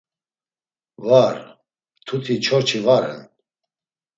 Var, mtuti çorçi va ren.